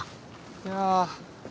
いや。